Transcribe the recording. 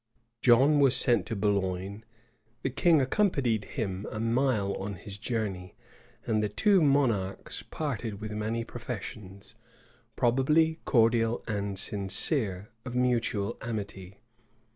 John was sent to Boulogne; the king accompanied him a mile on his journey; and the two monarchs parted with many professions, probably cordial and sincere, of mutual amity.